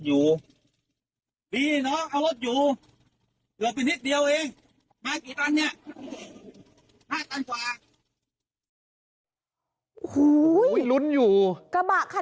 อื้อหลุดขึ้นอันตร